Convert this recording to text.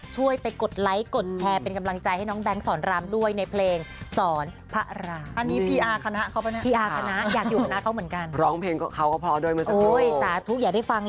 ทุกคนแบบว่าเต็มที่มาก